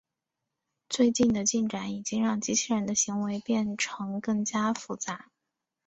最近的进展已经让机器人的行为变成更加复杂。